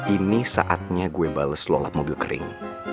ini saatnya gue bales lola mobil kering